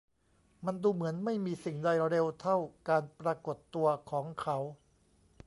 มันดูเหมือนไม่มีสิ่งใดเร็วเท่าการปรากฏตัวของเขา